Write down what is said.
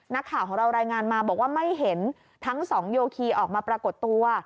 นักข่าวของเรารายงานมาบอกว่าไม่เห็นทั้งสองโยคีออกมาปรากฏตัว